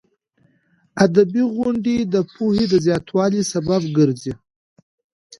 ادبي غونډې د پوهې د زیاتوالي سبب ګرځي.